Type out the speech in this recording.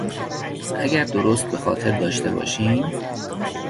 اگر درست به خاطر داشته باشیم...